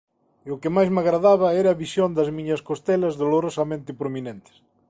E o que máis me agradaba era a visión das miñas costelas dolorosamente prominentes.